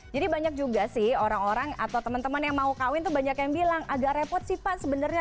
jadi banyak juga sih orang orang atau teman teman yang mau kawin tuh banyak yang bilang agak repot sih pak sebenarnya